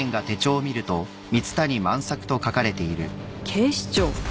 警視庁？